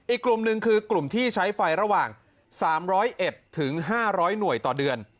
อีกกลุ่มหนึ่งคือกลุ่มที่ใช้ไฟระหว่าง๓๐๑๕๐๐หน่วยต่อเดือน